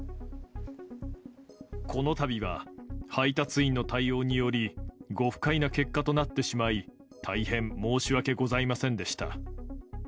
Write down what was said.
このたびは配達員の対応により、ご不快な結果となってしまい、大変申し訳ございませんでした。